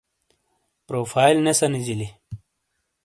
پروفائیل نے سَنِیجیلی۔